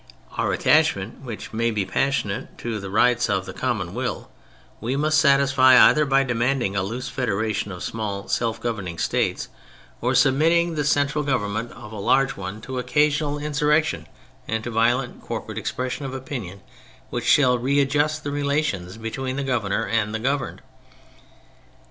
Our attachment, which may be passionate, to the rights of the Common Will we must satisfy either by demanding a loose federation of small, self governing states, or submitting the central 20 THE FRENCH REVOLUTION government of large ones to occasional insur rection and to violent corporate expressions of opinion which shall readjust the relations between the governor and the governed.